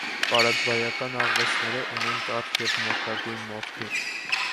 Պարագվայական աղվեսները ունեն կարճ և մոխրագույն մորթի։